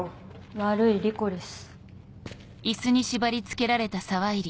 悪いリコリス。